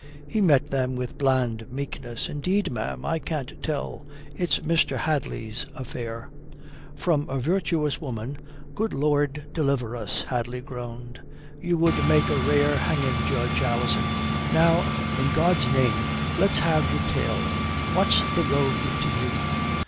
He met them with bland meekness. "Indeed, ma'am, I can't tell. It's Mr. Hadley's affair." "From a virtuous woman, good Lord deliver us," Hadley groaned. "You would make a rare hanging judge, Alison. Now, i' God's name, let's have your tale. What's the rogue to you?"